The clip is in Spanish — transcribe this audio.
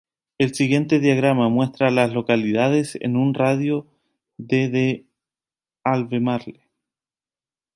El siguiente diagrama muestra a las localidades en un radio de de Albemarle.